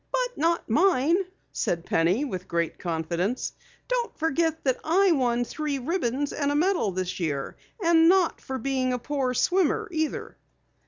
"But not mine," said Penny with great confidence. "Don't forget that I won three ribbons and a medal this year. Not for being a poor swimmer either."